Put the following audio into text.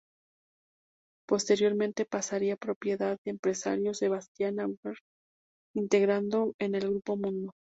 Posteriormente pasaría a propiedad del empresario Sebastián Auger, integrando en el Grupo Mundo.